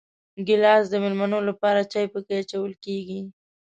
ګیلاس د مېلمنو لپاره چای پکې اچول کېږي.